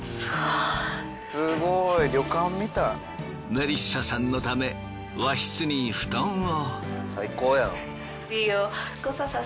メリッサさんのため和室に布団を。